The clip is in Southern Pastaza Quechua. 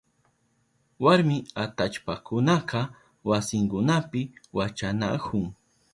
Warmi atallpakunaka wasinkunapi wachanahun.